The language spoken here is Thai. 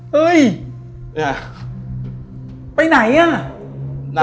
เฮ้ยไปไหนอ่ะ